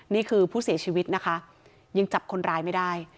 นี่คือผู้เสียชีวิตนะคะยังจับคนร้ายไม่ได้